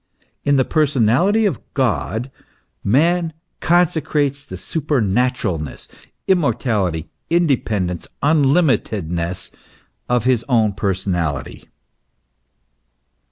In the personality of God man consecrates the supernaturalness, immortality, independence, unlimitedness of his own personality.